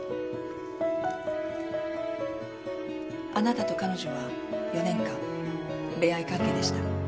あなたと彼女は４年間恋愛関係でした。